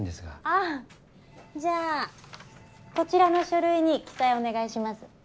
あぁじゃあこちらの書類に記載お願いします。